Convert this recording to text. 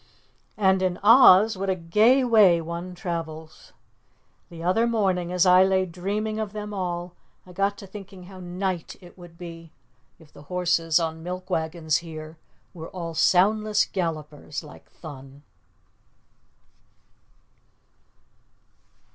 And in Oz, what a gay way one travels! The other morning as I lay dreaming of them all, I got to thinking how nite it would be if the horses on milk wagons here were all soundless gallopers like Thun!